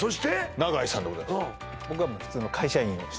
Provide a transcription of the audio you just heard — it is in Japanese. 永井さんでございます